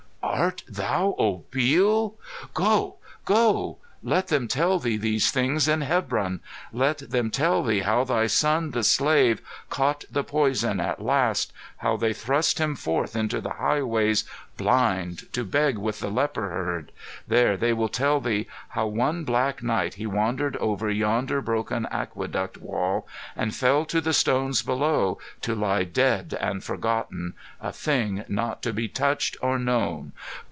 "Art thou Obil? Go, go! Let them tell thee these things in Hebron! Let them tell thee how thy son, the slave, caught the poison at last, how they thrust him forth into the highways, blind, to beg with the leper herd! There they will tell thee how one black night he wandered over yonder broken aqueduct wall and fell to the stones below, to lie dead and forgotten, a Thing not to be touched or known!